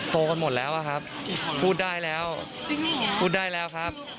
โตกันหมดแล้วอะครับพูดได้แล้วพูดได้แล้วครับ